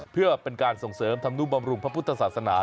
เพื่อเป็นการส่งเสริมธรรมนุบำรุงพระพุทธศาสนา